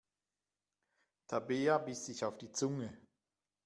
Tabea biss sich auf die Zunge.